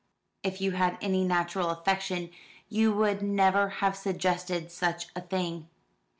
"If you had any natural affection, you would never have suggested such a thing."